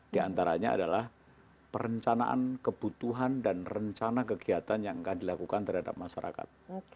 di antaranya adalah perencanaan kebutuhan dan rencana kegiatan yang akan dilakukan terhadap masyarakat